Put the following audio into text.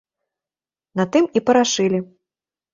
На тым і парашылі.